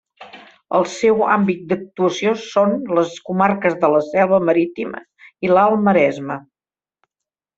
El seu àmbit d'actuació són les comarques de la Selva Marítima i l'Alt Maresme.